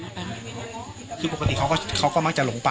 ปกติพี่สาวเราเนี่ยครับเปล่าครับเปล่าครับเปล่าครับเปล่าครับ